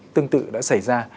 tương tự đã xảy ra